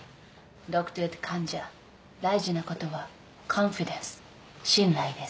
ドクターと患者大事なことはコンフィデンス信頼です。